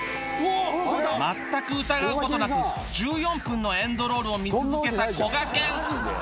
全く疑う事なく１４分のエンドロールを見続けたこがけん